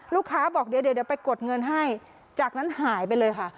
ลูกค้าบอกเดี๋ยวเดี๋ยวเดี๋ยวไปกดเงินให้จากนั้นหายไปเลยค่ะ